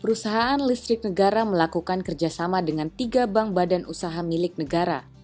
perusahaan listrik negara melakukan kerjasama dengan tiga bank badan usaha milik negara